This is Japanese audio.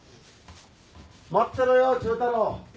待ってろよ忠太郎。